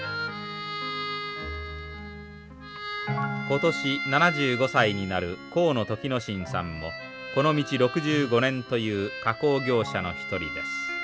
今年７５歳になる河野時之進さんもこの道６５年という加工業者の一人です。